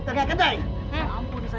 hai kamu sudah